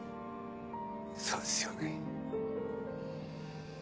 そうですよね。